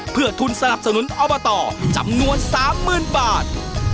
เพื่อทุนสนับสนุนอบตจำนวน๓๐๐๐บาท